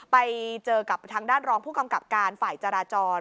ไปเจอกับทางด้านรองผู้กำกับการฝ่ายจราจร